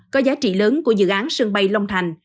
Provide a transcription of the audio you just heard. có giá trị lớn của dự án sân bay long thành